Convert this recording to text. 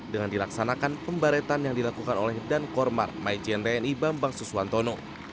dengan dilaksanakan pembaretan yang dilakukan oleh dan kormar mai jendreni bambang susuantono